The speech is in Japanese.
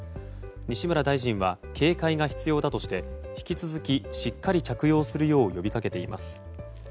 西村大臣は警戒が必要だとして引き続きしっかり着用するよう呼び掛けています。